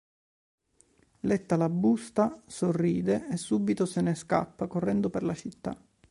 Letta la busta, sorride e subito se ne scappa correndo per la città.